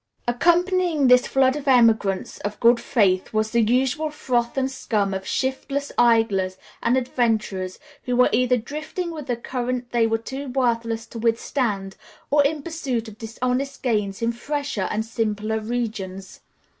Accompanying this flood of emigrants of good faith was the usual froth and scum of shiftless idlers and adventurers, who were either drifting with a current they were too worthless to withstand, or in pursuit of dishonest gains in fresher and simpler regions.